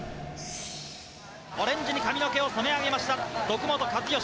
オレンジに髪の毛を染め上げました、徳本一善。